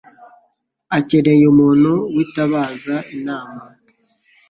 Akeneye umuntu witabaza inama.